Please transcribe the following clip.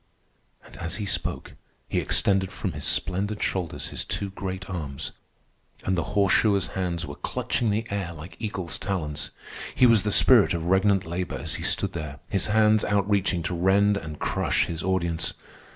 '" And as he spoke he extended from his splendid shoulders his two great arms, and the horseshoer's hands were clutching the air like eagle's talons. He was the spirit of regnant labor as he stood there, his hands outreaching to rend and crush his audience.